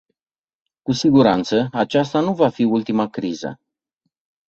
Cu siguranță, aceasta nu va fi ultima criză.